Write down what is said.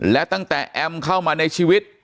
และตั้งแต่แอมเข้ามาในชีวิต